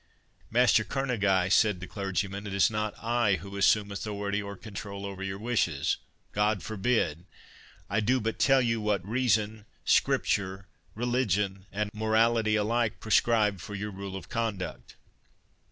"Master Kerneguy," said the clergyman, "it is not I who assume authority or control over your wishes—God forbid; I do but tell you what reason, Scripture, religion, and morality, alike prescribe for your rule of conduct."